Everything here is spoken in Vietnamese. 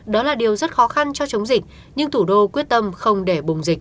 đó là điều rất khó khăn cho chống dịch nhưng thủ đô quyết tâm không để bùng dịch